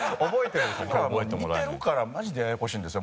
僕らは似てるからマジでややこしいんですよ。